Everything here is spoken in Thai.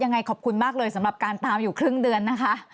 ยังไงขอบคุณมากเลยสำหรับการตามอยู่ครึ่งเดือนนะคะ